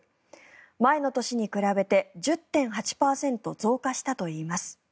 前の年に比べて１０．８％増加したといいます。